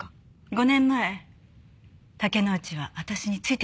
５年前竹之内は私についてきてくれました。